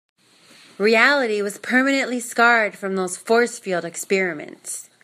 Reality was permanently scarred from those force field experiments.